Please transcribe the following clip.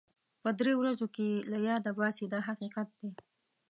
په دریو ورځو کې یې له یاده باسي دا حقیقت دی.